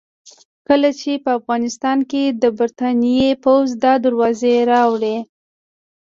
کله چې په افغانستان کې د برتانیې پوځ دا دروازې راوړې.